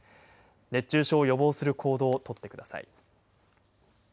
熱中症を予防する行動を取ってください。